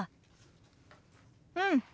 うん。